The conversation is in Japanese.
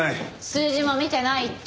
数字も見てないって。